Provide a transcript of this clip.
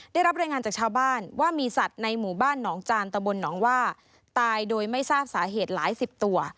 ได้รับรายงานจากชาวบ้านว่ามีสัตว์ในหมู่บ้านหนองจานตะบนหนองว่าตายโดยไม่ทราบสาเหตุหลายสิบตัว